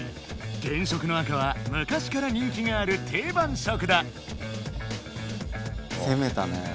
原色の赤は昔から人気がある定番色だ！